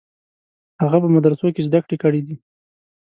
هغه په مدرسو کې زده کړې کړې دي.